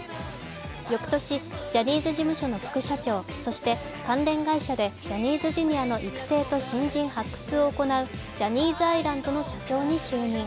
翌年ジャニーズ事務所の副社長そして関連会社でジャニーズＪｒ．の育成と新人発掘を行うジャニーズアイランドの社長に就任。